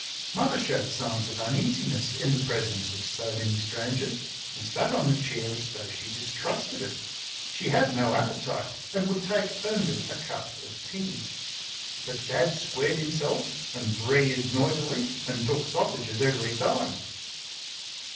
Mother showed signs of uneasiness in the presence of so many strangers, and sat on the chair as though she distrusted it. She had no appetite, and would take only a cup of tea. But Dad squared himself and breathed noisily and took sausages every time.